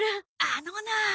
あのなあ。